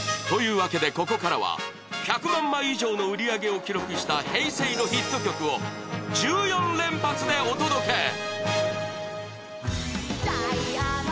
というわけでここからは１００万枚以上の売り上げを記録した平成のヒット曲を１４連発でお届け。